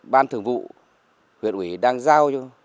ban thường vụ huyện ủy đang giao